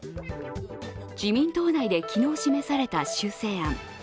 自民党内で昨日示された修正案。